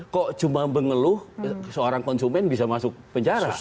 kok cuma mengeluh seorang konsumen bisa masuk penjara